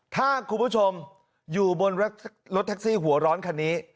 ถ้าคุณผู้ชมอยู่บนรถแท็กซี่หัวร้อนคันนี้